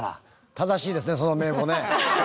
正しいですねその名簿ね。